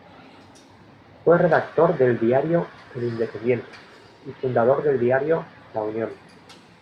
Fue redactor del diario "El Independiente" y fundador del diario "La Unión".